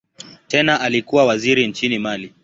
Tena alikuwa waziri nchini Mali.